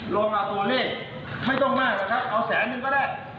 ลงมาตัวนี้ไม่ต้องมากนะครับเอาแสนนึงก็ได้